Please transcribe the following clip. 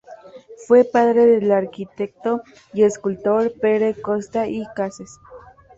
Fue padre del arquitecto y escultor Pere Costa i Cases.